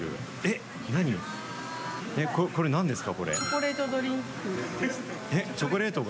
これ、なんですか？